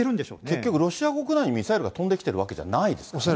結局ロシア国内にミサイルが飛んできているわけじゃないですからね。